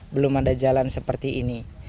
belum ada jalan seperti ini